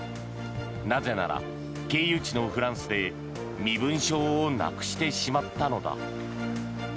なぜなら、経由地のフランスで身分証をなくしてしまったのだ。